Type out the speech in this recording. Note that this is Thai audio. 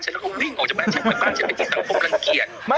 หนุ่มกัญชัยโทรมา